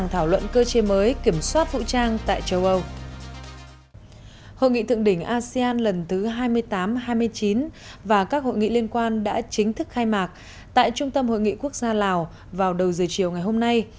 hội nghị liên quan đã chính thức khai mạc tại trung tâm hội nghị quốc gia lào vào đầu giờ chiều ngày hôm nay